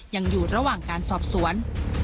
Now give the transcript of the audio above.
ยังอยู่ระหว่างการสอบสวน